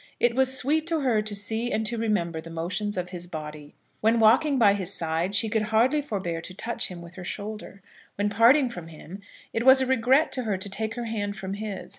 It was sweet to her to see and to remember the motions of his body. When walking by his side she could hardly forbear to touch him with her shoulder. When parting from him it was a regret to her to take her hand from his.